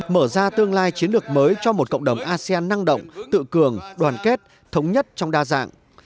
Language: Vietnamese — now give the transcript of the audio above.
mở ra tương lai chiến lược mới cho một cộng đồng asean năng động tự cường đoàn kết thống nhất trong đa dạng